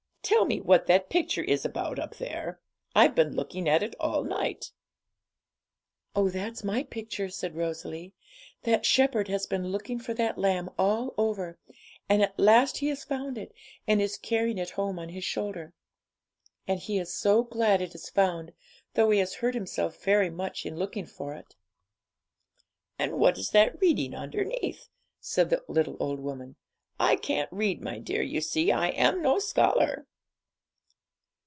Tell me what that picture is about up there? I've been looking at it all night.' 'Oh, that's my picture,' said Rosalie; 'that shepherd has been looking for that lamb all over, and at last he has found it, and is carrying it home on his shoulder; and he is so glad it is found, though he has hurt himself very much in looking for it.' 'And what is that reading underneath?' said the little old woman. 'I can't read, my dear, you see; I am no scholar.'